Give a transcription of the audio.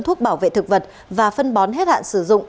thuốc bảo vệ thực vật và phân bón hết hạn sử dụng